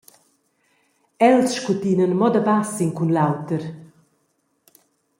Els scutinan mo da bass in cun l’auter.